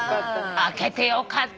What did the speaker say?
開けてよかったわ。